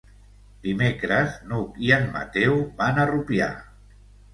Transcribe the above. Dimecres n'Hug i en Mateu van a Rupià.